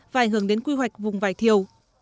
và ảnh hưởng đến quy hoạch vùng vải thiểu